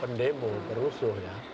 pendemo perusahaan ya